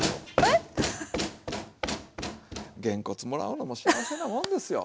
えっ⁉げんこつもらうのも幸せなもんですよ。